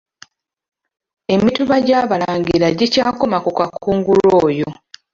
Emituba gy'Abalangira gikyakoma ku Kakungulu oyo.